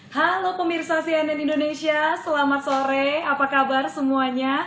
halo pemirsa cnn indonesia selamat sore apa kabar semuanya